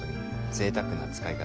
ぜいたくな使い方。